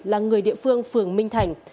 là người địa phương phường minh thành